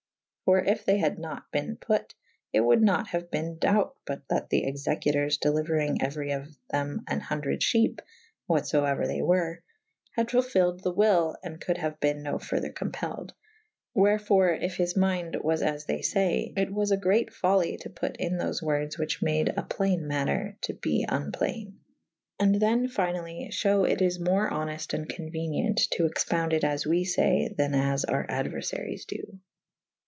For yf they had nat ben put / it wolde nat haue bene dought but that the executers' delyuerynge^ euery of hem an hundred fhepe (whatfoeuer they were) had fulfylled the wyll /and could haue ben no further compelled/ wherfore if his mynde was as they fay / it was a great folye to put in tho wordes whiche made a playne mater to be vnplaine. And than finally fhew it is more honei t and conuenient to expounde it as we fay : then as our aduerfaryes do.